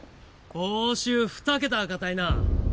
報酬２桁は堅いな！